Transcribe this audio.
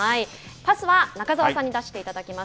パスは中澤さんに出していただきます。